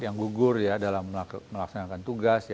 yang gugur ya dalam melaksanakan tugas